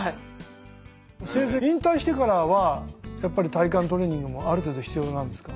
先生引退してからはやっぱり体幹トレーニングもある程度必要なんですか？